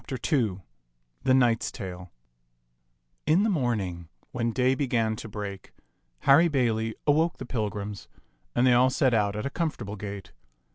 II PALAMON AND ARCITE t^t Mnx^^t IN the morning, when day began to break, Harry Bailey awoke the pilgrims, and they all set out at a comfortable gait.